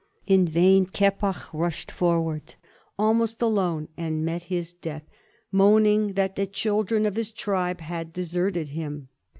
In vain Keppoch rushed forward almost alone, and met his death, moaning that the children of his tribe had deserted him.